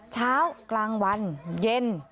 เช้ากลางวันเย็น